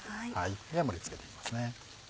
では盛り付けていきます。